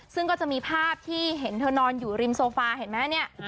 ซึ่งก็จะมีภาพที่เห็นเธอนอนอยู่ริมโซฟาเห็นไหมเนี่ย